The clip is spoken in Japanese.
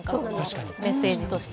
メッセージとして。